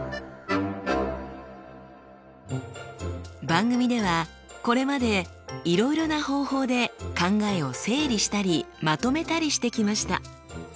番組ではこれまでいろいろな方法で考えを整理したりまとめたりしてきました。